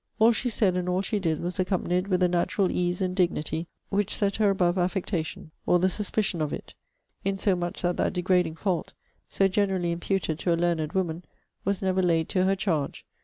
All she said and all she did was accompanied with a natural ease and dignity, which set her above affectation, or the suspicion of it; insomuch that that degrading fault, so generally imputed to a learned woman, was never laid to her charge.